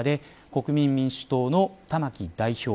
国民民主党の玉木代表